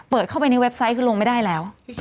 เข้าไปในเว็บไซต์คือลงไม่ได้แล้ว